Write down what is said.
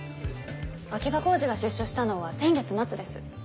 秋葉浩二が出所したのは先月末です。